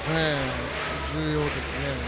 重要ですね。